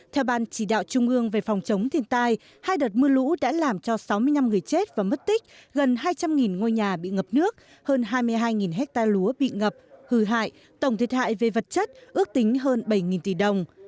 theo ban chỉ đạo trung ương về phòng chống thiên tai hai đợt mưa lũ đã làm cho sáu mươi năm người chết và mất tích gần hai trăm linh ngôi nhà bị ngập nước hơn hai mươi hai hectare lúa bị ngập hư hại tổng thiệt hại về vật chất ước tính hơn bảy tỷ đồng